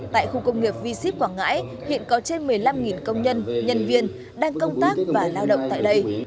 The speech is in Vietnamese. tại khu công nghiệp v ship quảng ngãi hiện có trên một mươi năm công nhân nhân viên đang công tác và lao động tại đây